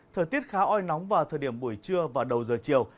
thời tiết khá oi nóng vào thời điểm buổi trưa và đầu giờ chiều